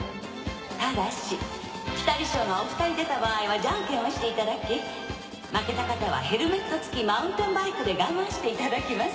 ただしピタリ賞がお２人出た場合はジャンケンをしていただき負けた方はヘルメット付きマウンテンバイクで我慢していただきます。